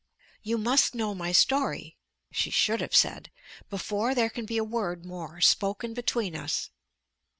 "You must know my story," she should have said, "before there can be a word more spoken between us."